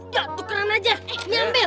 yuk tukeran aja nih ambil